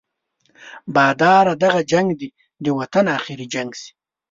باداره دغه جنګ دې د وطن اخري جنګ شي.